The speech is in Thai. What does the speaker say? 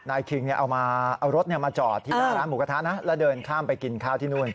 คิงเอารถมาจอดที่หน้าร้านหมูกระทะนะแล้วเดินข้ามไปกินข้าวที่นู่น